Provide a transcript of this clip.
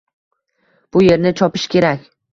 bu yerni chopish kerak